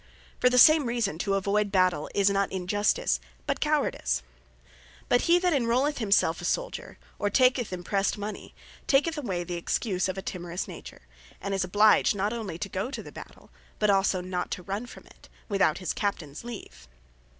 For the same reason, to avoyd battell, is not Injustice, but Cowardise. But he that inrowleth himselfe a Souldier, or taketh imprest mony, taketh away the excuse of a timorous nature; and is obliged, not onely to go to the battell, but also not to run from it, without his Captaines leave.